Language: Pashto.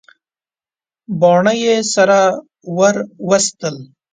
باڼه یې سره ور وستل.